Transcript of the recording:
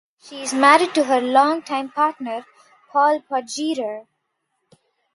She is married to her longtime partner Paul Potgieter.